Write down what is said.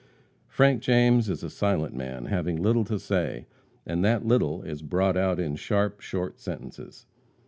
Frank James is a silent man, having little to say, and that little is brought out in sharp, short sentences.